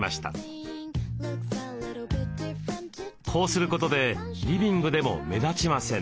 こうすることでリビングでも目立ちません。